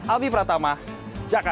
albi pratama jakarta